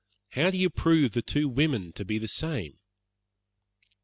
How do you prove the two women to be the same?"